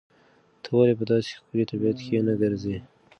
ته ولې په داسې ښکلي طبیعت کې نه ګرځې؟